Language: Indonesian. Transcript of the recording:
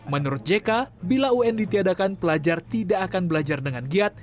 menurut jk bila un ditiadakan pelajar tidak akan belajar dengan giat